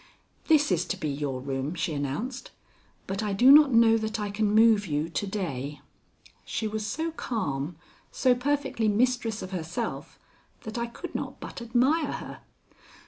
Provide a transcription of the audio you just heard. "This is to be your room," she announced, "but I do not know that I can move you to day." She was so calm, so perfectly mistress of herself, that I could not but admire her.